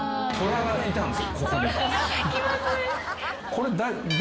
これ。